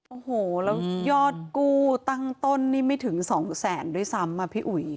โอ้โหแล้วยอดกู้ตั้งต้นนี่ไม่ถึงสองแสนด้วยซ้ำอ่ะพี่อุ๋ย